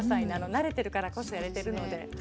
慣れてるからこそやれてるので。